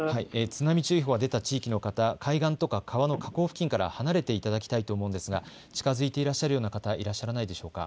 津波注意報が出た地域の方、海岸とか川の河口付近から離れていただきたいと思うのですが、近づいていらっしゃるような方、いらっしゃらないでしょうか。